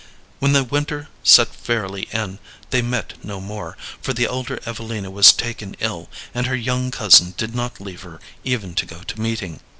When the winter set fairly in they met no more, for the elder Evelina was taken ill, and her young cousin did not leave her even to go to meeting.